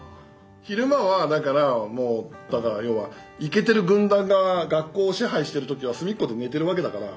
昼間はだからもうだから要はイケてる軍団が学校を支配してる時は隅っこで寝てるわけだから。